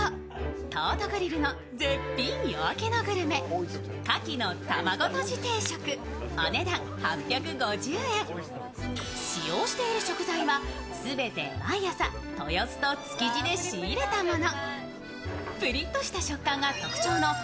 東都グリルの絶品夜明けのグルメ、かきの玉子とじ定食、お値段８５０円使用している食材は全て毎朝、豊洲と築地で仕入れたもの。